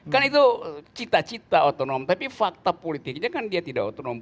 kan itu cita cita otonom tapi fakta politiknya kan dia tidak otonom